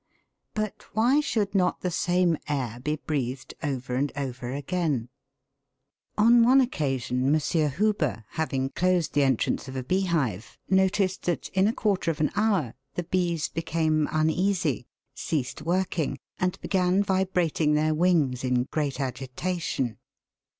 But why should not the same air be breathed over and over again ? On one occasion M. Huber, having closed the entrance of a bee hive, noticed that, in a quarter of an hour, the bees became uneasy, ceased working, and began vibrating their BURNING AND BREATHING. 165 wings in great agitation.